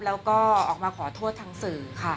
แล้วก็ออกมาขอโทษทางสื่อค่ะ